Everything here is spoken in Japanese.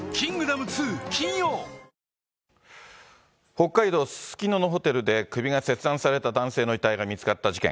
北海道すすきののホテルで首が切断された男性の遺体が見つかった事件。